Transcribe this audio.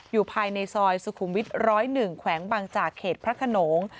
อยู่ภายในซอยสุขุมวิทร้อยหนึ่งแขวงบังจากเขตพระขนง